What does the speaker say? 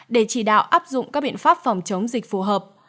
để chỉ đạo áp dụng các biện pháp phòng chống dịch phù hợp